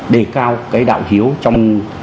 đề cao cái đạo hiếu trong